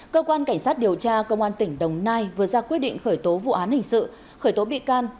cơ quan cảnh sát điều tra công an tỉnh đồng nai vừa ra quyết định khởi tố vụ án hình sự khởi tố bị can